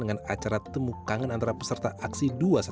dengan acara temukan antara peserta aksi dua ratus dua belas